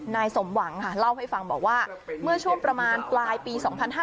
สมหวังค่ะเล่าให้ฟังบอกว่าเมื่อช่วงประมาณปลายปี๒๕๕๙